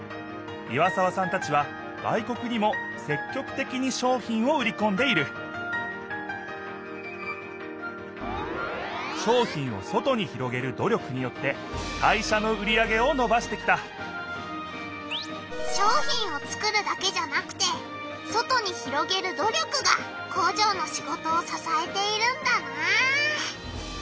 岩沢さんたちは外国にもせっきょくてきに商品を売りこんでいる商品を外に広げる努力によって会社の売り上げをのばしてきた商品を作るだけじゃなくて外に広げる努力が工場の仕事をささえているんだな。